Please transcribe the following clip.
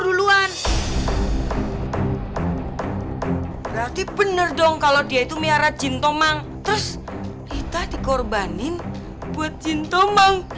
duluan berarti bener dong kalau dia itu miara jintomang terus kita dikorbanin buat jintomang